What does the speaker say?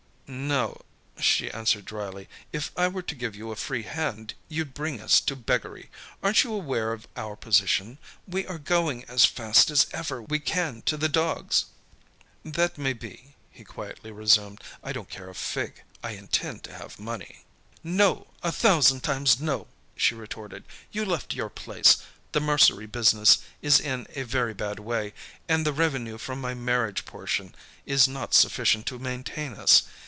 "No," she answered dryly. "If I were to give you a free hand, you'd bring us to beggary. Aren't you aware of our position? We are going as fast as ever we can to the dogs." "That may be," he quietly resumed. "I don't care a fig, I intend to have money." "No, a thousand times no!" she retorted. "You left your place, the mercery business is in a very bad way, and the revenue from my marriage portion is not sufficient to maintain us.